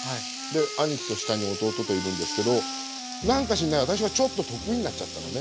兄貴と下に弟といるんですけど何か知んない私がちょっと得意になっちゃったのね